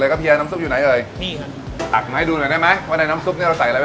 ตัวนี้บอกได้ไหมว่ามีอะไรบ้าง